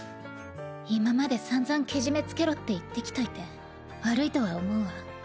今までさんざんケジメつけろって言ってきといて悪いとは思うわ。